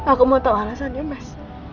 aku mau tahu alasannya mas